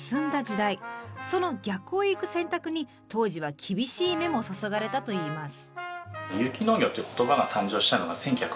その逆を行く選択に当時は厳しい目も注がれたといいます。